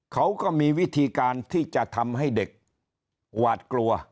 เขาก็มีวิธีการที่จะทำให้เด็กหวาดกลัว